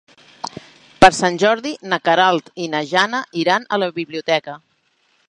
Per Sant Jordi na Queralt i na Jana iran a la biblioteca.